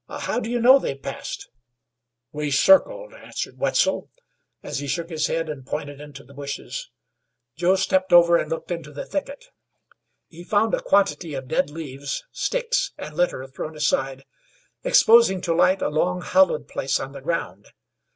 "How do you know they've passed?" "We circled," answered Wetzel, as he shook his head and pointed into the bushes. Joe stepped over and looked into the thicket. He found a quantity of dead leaves, sticks, and litter thrown aside, exposing to light a long, hollowed place on the ground.